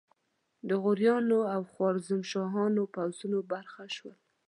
د غوریانو او خوارزمشاهیانو پوځونو برخه شول.